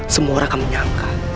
semua orang akan menyangka